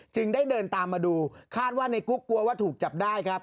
จึงได้เดินตามมาดูคาดว่าในกุ๊กกลัวว่าถูกจับได้ครับ